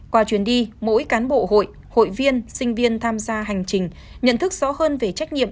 qua chuyến đi mỗi cán bộ hội hội viên sinh viên tham gia hành trình nhận thức rõ hơn về trách nhiệm